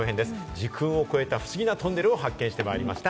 時空を超えた不思議なトンネルを発見してまいりました。